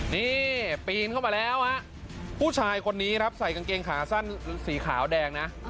นี่ปีนเข้ามาแล้วฮะผู้ชายคนนี้ครับใส่กางเกงขาสั้นสีขาวแดงนะ